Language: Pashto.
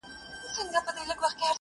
په عشق کي دومره رسميت هيڅ باخبر نه کوي-